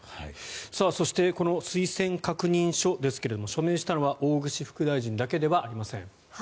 そしてこの推薦確認書ですが署名したのは大串副大臣だけではありません。